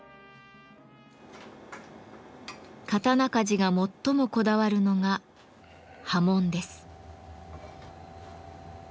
刀鍛冶が最もこだわるのが刃文です。